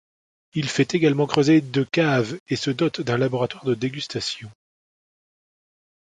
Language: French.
Il fait également creuser de caves et se dote d'un laboratoire de dégustation.